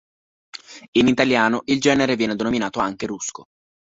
In italiano il genere viene denominato anche Rusco.